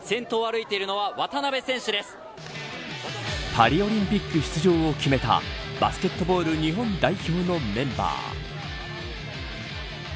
パリオリンピック出場を決めたバスケットボール日本代表のメンバー。